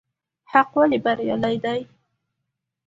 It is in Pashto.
حق ولې بريالی دی؟